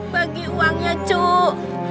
bagi uangnya cuk